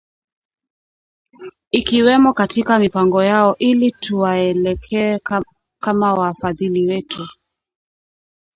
Ikiwemo katika mipango yao ili tuwaelekee kama wafadhili wetu